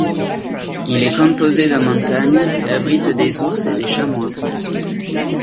Il est composé de montagnes, et abrite des ours et des chamois.